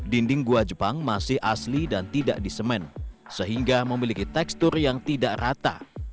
dinding gua jepang masih asli dan tidak disemen sehingga memiliki tekstur yang tidak rata